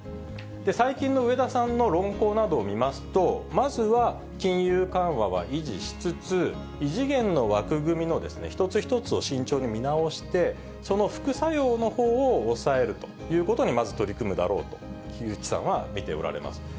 最近の植田さんの論考などを見ますと、まずは、金融緩和は維持しつつ、異次元の枠組みの一つ一つを慎重に見直して、その副作用のほうを抑えるということにまず取り組むだろうと、木内さんは見ておられます。